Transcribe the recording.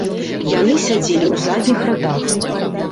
Яны сядзелі ў задніх радах.